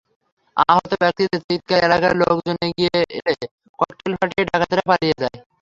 আহত ব্যক্তিদের চিৎকারে এলাকার লোকজন এগিয়ে এলে ককটেল ফাটিয়ে ডাকাতেরা পালিয়ে যায়।